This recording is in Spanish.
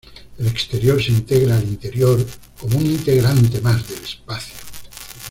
El exterior se integra al interior como un integrante más del espacio.